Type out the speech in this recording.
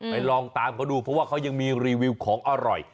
ลองตามเขาดูเพราะว่าเขายังมีรีวิวของอร่อย